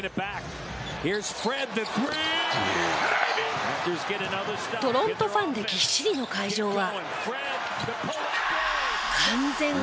「いやあ」トロントファンでぎっしりの会場は。